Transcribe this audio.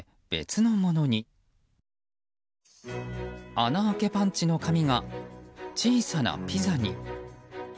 穴あけパンチの紙が小さなピザに。